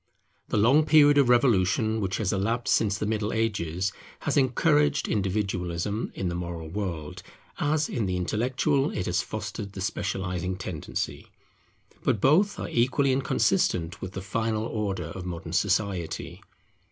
The long period of revolution which has elapsed since the Middle Ages has encouraged individualism in the moral world, as in the intellectual it has fostered the specializing tendency. But both are equally inconsistent with the final order of modern society.